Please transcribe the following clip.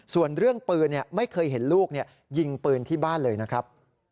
ส่วนเรื่องปืนไม่เคยเห็นลูกยิงปืนที่บ้านเลยนะครับ